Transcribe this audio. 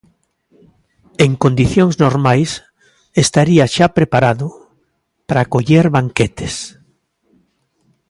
En condicións normais estaría xa preparado para acoller banquetes.